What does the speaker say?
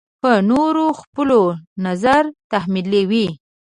په نورو خپل نظر تحمیلوي.